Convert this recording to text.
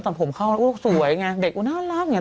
แต่ผมเข้าดูสวยไงเด็กน่้าร็ากเนี่ย